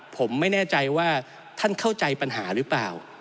ผมไม่แน่ใจว่าท่านเข้าใจปัญหาหรือเปล่า